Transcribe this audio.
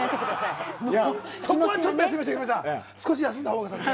そこはちょっと休みましょう、休んだ方が。